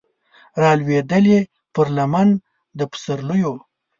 رالویدلې پر لمن د پسرلیو